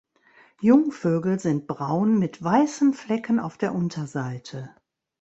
Jungvögel sind braun mit weißen Flecken auf der Unterseite.